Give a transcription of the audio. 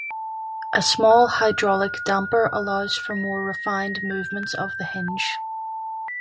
A small hydraulic damper allows for more refined movements of the hinge.